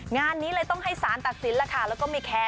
งานนี้เลยต้องให้สารตักศิลป์แล้วก็ไม่แคร์